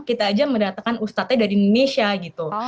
kita aja mendatangkan ustadznya dari indonesia gitu